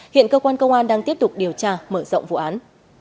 hiện cơ quan công an đang tiếp tục điều tra mở rộng vụ án